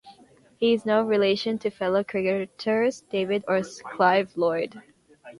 He is no relation to fellow cricketers David or Clive Lloyd.